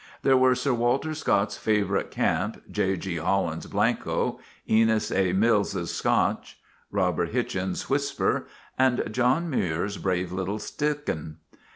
There were Sir Walter Scott's favorite Camp, J. G. Holland's Blanco, Enos A. Mills's Scotch, Robert Hichens's Whisper, and John Muir's brave little Stikeen.